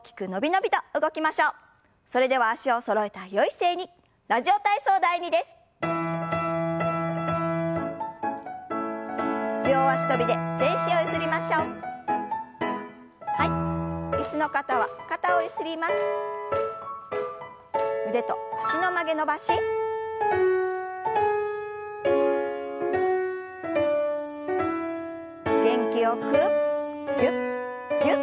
元気よくぎゅっぎゅっと。